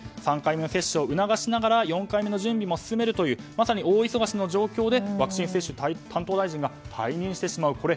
３回目の接種を促しながら４回目の準備も進めるというまさに大忙しの状況でワクチン接種担当大臣が退任してしまう。